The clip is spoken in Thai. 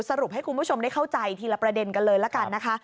สรุปให้คุณผู้ชมได้เข้าใจทีละประเด็นกันเลยละกันนะคะ